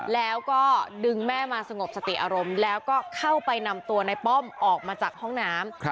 แล้วก็ดึงแม่มาสงบสติอารมณ์แล้วก็เข้าไปนำตัวในป้อมออกมาจากห้องน้ำ